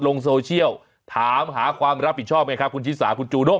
ลงโซเชียลถามหาความรับผิดชอบไหมครับคุณชิสาคุณจูด้ง